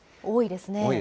多いですね。